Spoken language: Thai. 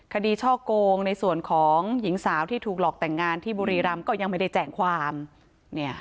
ช่อโกงในส่วนของหญิงสาวที่ถูกหลอกแต่งงานที่บุรีรำก็ยังไม่ได้แจ้งความ